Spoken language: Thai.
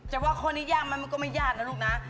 แต่ว่าข้อนี้ยากไหมมันก็ไม่ยากนะลูกนะ